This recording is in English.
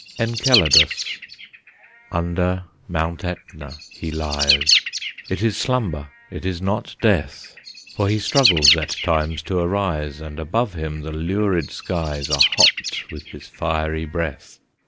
ENCELADUS. Under Mount Etna he lies, It is slumber, it is not death; For he struggles at times to arise, And above him the lurid skies Are hot with his fiery breath.